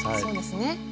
そうですね。